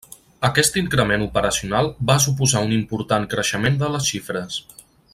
Aquest increment operacional va suposar un important creixement de les xifres.